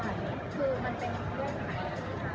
พี่แม่ที่เว้นได้รับความรู้สึกมากกว่า